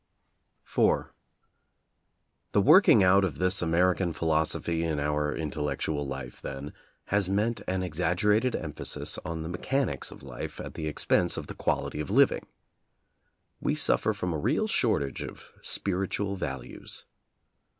IV The working out of this American philosophy in our intellectual life then has meant an exag gerated emphasis on the mechanics of life at the expense of the quality of living. We suffer from a real shortage of spiritual values.